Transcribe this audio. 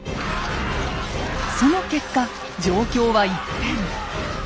その結果状況は一変。